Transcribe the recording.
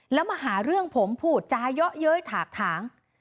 แล้วมาหาเรื่องผมพูดจาเยอะเย้ยถากถาง